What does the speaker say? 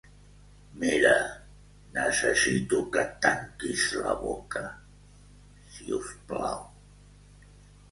Mira, necessito que tanquis la boca, si us plau.